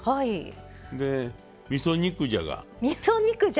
でみそ肉じゃが。